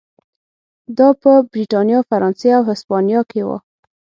دا په برېټانیا، فرانسې او هسپانیا کې و.